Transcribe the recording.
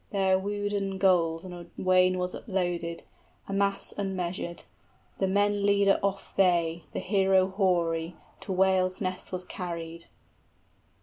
} There wounden gold on a wain was uploaded, 75 A mass unmeasured, the men leader off then, The hero hoary, to Whale's Ness was carried.